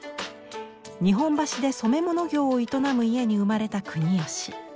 日本橋で染め物業を営む家に生まれた国芳。